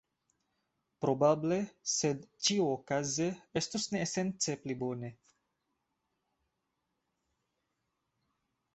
Probable, sed ĉiuokaze estus ne esence pli bone.